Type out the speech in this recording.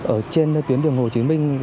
ở trên tuyến đường hồ chí minh